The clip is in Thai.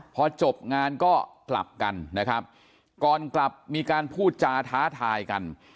พอจบงานก็กลับกันนะครับก่อนกลับมีการพูดจาท้าทายกัน